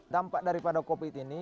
dampak daripada covid sembilan belas ini